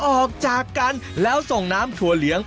ออกจากกันแล้วส่งน้ำถั่วเลี้ยง